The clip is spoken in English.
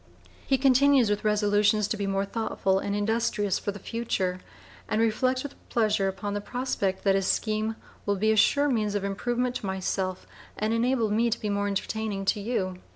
He continues with resolutions "to be more thoughtful and industrious for the future," and reflects with pleasure upon the prospect that his scheme "will be a sure means of improvement to myself, and (p. 006) enable me to be more entertaining to you."